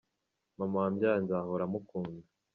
mama wambyaye nzahora mukunda.